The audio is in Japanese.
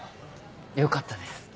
よかったです。